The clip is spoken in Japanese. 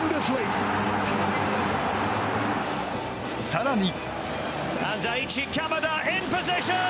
更に。